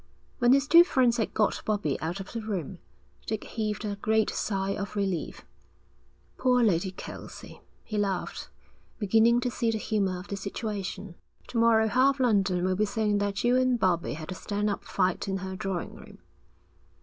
When his two friends had got Bobbie out of the room, Dick heaved a great sigh of relief. 'Poor Lady Kelsey!' he laughed, beginning to see the humour of the situation. 'To morrow half London will be saying that you and Bobbie had a stand up fight in her drawing room.'